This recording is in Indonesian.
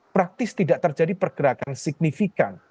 praktis tidak terjadi pergerakan signifikan